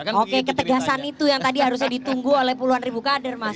oke ketegasan itu yang tadi harusnya ditunggu oleh puluhan ribu kader mas